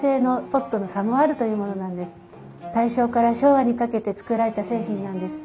大正から昭和にかけて作られた製品なんです。